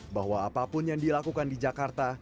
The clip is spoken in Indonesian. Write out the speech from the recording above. bahwa apapun yang dilakukan di jakarta